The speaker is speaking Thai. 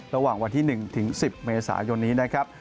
ระหว่างวันที่๑ถึง๑๐เมษายนนี้นะครับ